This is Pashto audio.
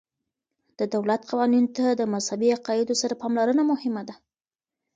د دولت قوانینو ته د مذهبي عقایدو سره پاملرنه مهمه ده.